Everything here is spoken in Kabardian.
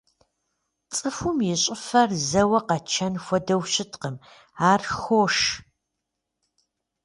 Цӏыхум и щӏыфэр зэуэ къэчэн хуэдэу щыткъым, ар хош.